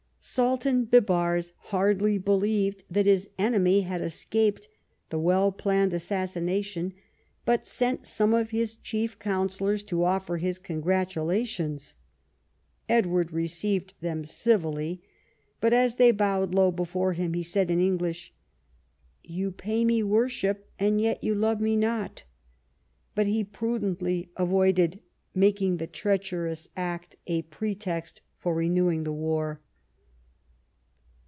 Svdtan Bibars hardly believed that his enemy had escaped the well planned assassination, but sent some of his chief counsellors to offer his congratulations. Edward received them civilly, but as they bowed low before him he said in English, " You pay me worship, but yet you love me not." But he prudently avoided making the treacherous act a pretext for renewing the war.